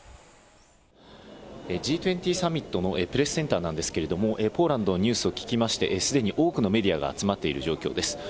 Ｇ２０サミットのプレスセンターなんですけど、ポーランドのニュースを聞きまして、すでに多くのメディアが集まっている状況です。